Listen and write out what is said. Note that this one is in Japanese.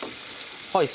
はい。